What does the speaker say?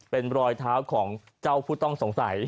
เป็นรอยเท้าของเจ้าผู้ต้องสงสัย